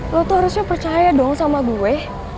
lo tuh harusnya percaya dong sama gue